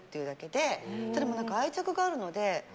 でも、愛着があるので。